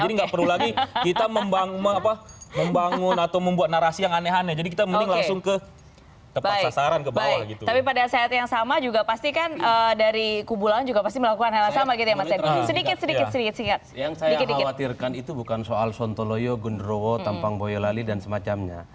singkat yang saya khawatirkan itu bukan soal sontoloyo gundro tampang boyolali dan semacamnya